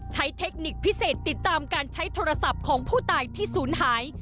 เทคนิคพิเศษติดตามการใช้โทรศัพท์ของผู้ตายที่ศูนย์หาย